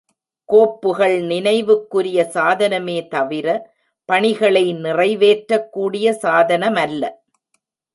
கோப்புகள் நினைவுக்குரிய சாதனமே தவிர, பணிகளை நிறைவேற்றக்கூடிய சாதனமல்ல.